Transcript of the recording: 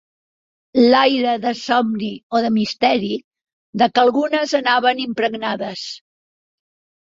L'aire de somni o de misteri, de què algunes anaven impregnades.